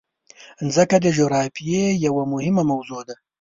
مځکه د جغرافیې یوه مهمه موضوع ده.